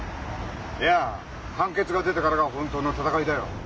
いや判決が出てからが本当の闘いだよ。